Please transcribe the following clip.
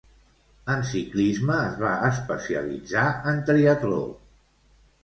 En ciclisme es va especialitzar en triatló.